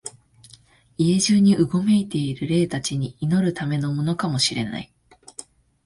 家中にうごめいている霊たちに祈るためのものかも知れない、